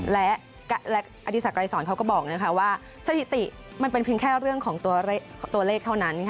และอธิสักไกรสอนเขาก็บอกว่าสถิติมันเป็นเพียงแค่เรื่องของตัวเลขเท่านั้น